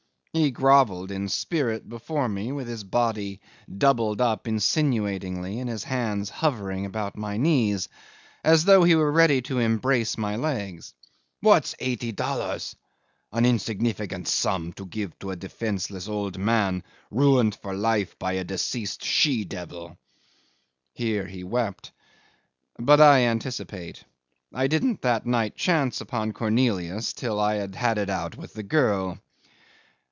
He grovelled in spirit before me, with his body doubled up insinuatingly and his hands hovering about my knees, as though he were ready to embrace my legs. "What's eighty dollars? An insignificant sum to give to a defenceless old man ruined for life by a deceased she devil." Here he wept. But I anticipate. I didn't that night chance upon Cornelius till I had had it out with the girl.